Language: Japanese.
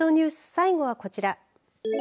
最後はこちら。